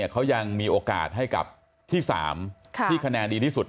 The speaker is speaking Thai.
เขายังมีโอกาสให้กับที่๓ที่คะแนนดีที่สุด